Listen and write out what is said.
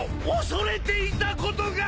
恐れていたことが！